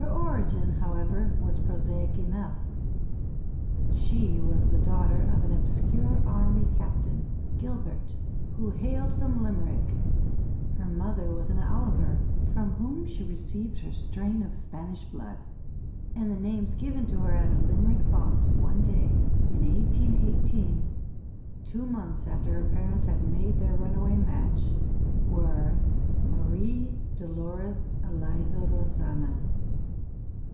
Her origin, however, was prosaic enough. She was the daughter of an obscure army captain, Gilbert, who hailed from Limerick; her mother was an Oliver, from whom she received her strain of Spanish blood; and the names given to her at a Limerick font, one day in 1818, two months after her parents had made their runaway match, were Marie Dolores Eliza Rosanna.